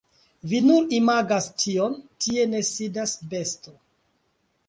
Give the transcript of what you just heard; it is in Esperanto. Vi nur imagas tion, tie ne sidas besto.